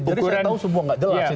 jadi saya tau semua gak jelas itu